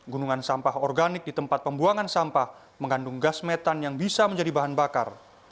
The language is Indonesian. gunungan sampah organik di tempat pembuangan sampah mengandung gas metan yang bisa menjadi bahan bakar